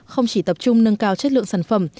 không chỉ tập trung nâng cao chất lượng sản phẩm